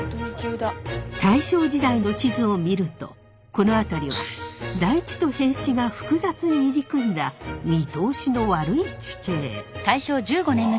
大正時代の地図を見るとこの辺りは台地と平地が複雑に入り組んだ見通しの悪い地形。